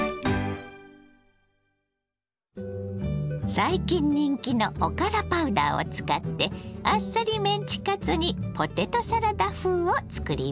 最近人気のおからパウダーを使ってあっさりメンチカツにポテトサラダ風を作ります。